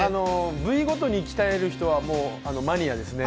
部位ごとに鍛える人はマニアですね。